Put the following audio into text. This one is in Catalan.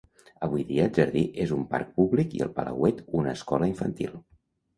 Avui dia el jardí és un parc públic i el palauet una escola infantil.